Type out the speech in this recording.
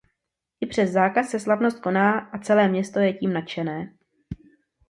I přes zákaz se slavnost koná a celé město je tím nadšené.